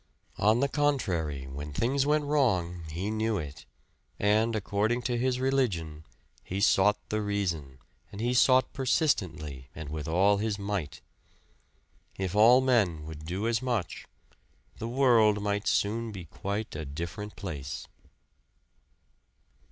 On the contrary, when things went wrong he knew it; and according to his religion, he sought the reason, and he sought persistently, and with all his might. If all men would do as much, the world might soon be quite a different place.